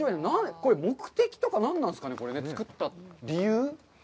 これ目的とか、何なんですかね、造った理由？